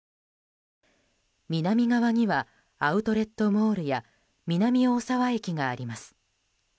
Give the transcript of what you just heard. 南側にはアウトレットモールや南大沢駅があります。